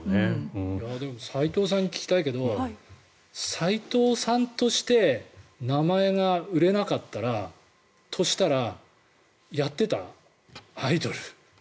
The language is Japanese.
斎藤さんに聞きたいけど斎藤さんとして名前が売れなかったとしたらやってた？